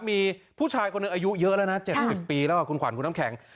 มีผู้ชายคนหนึ่งอายุเยอะแล้วนะ๗๐ปีแล้วคุณขวัญคุณน้ำแข็ง